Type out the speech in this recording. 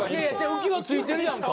浮き輪ついてるやんか。